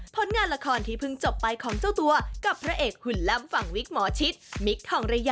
ผลงานละครที่เพิ่งจบไปของเจ้าตัวกับพระเอกหุ่นล่ำฝั่งวิกหมอชิตมิคทองระยะ